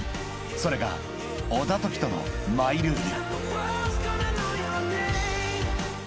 ［それが小田凱人のマイルール］